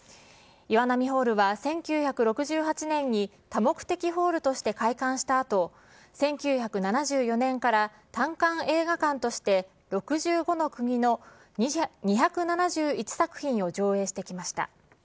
岩波ホールは１９６８年に、多目的ホールとして開館したあと、１９７４年から単館映画館として、６５の国の２７１作品を上映してきました。